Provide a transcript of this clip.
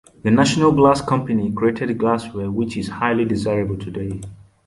The National Glass Company created glassware which is highly desirable today.